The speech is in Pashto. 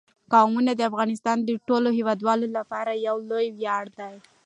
قومونه د افغانستان د ټولو هیوادوالو لپاره یو لوی ویاړ دی.